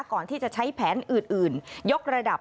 ก่อนที่จะใช้แผนอื่นยกระดับ